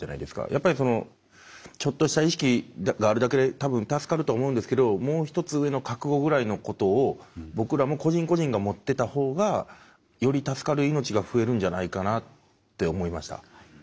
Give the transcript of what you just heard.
やっぱりそのちょっとした意識があるだけで多分助かると思うんですけどもう一つ上の覚悟ぐらいのことを僕らも個人個人が持ってた方がより助かる命が増えるんじゃないかなって思いました。